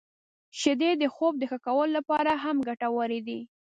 • شیدې د خوب د ښه کولو لپاره هم ګټورې دي.